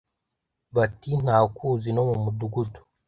bati ” ntawukuzi no mu mudugudu